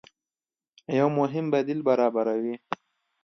يو مهم بديل برابروي